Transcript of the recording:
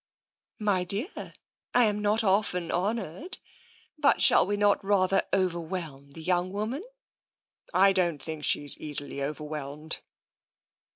" My dear, I am not often honoured, but shall we not rather overwhelm the young woman? "" I don't think she is easily overwhelmed."